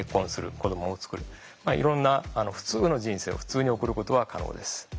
いろんな普通の人生を普通に送ることは可能です。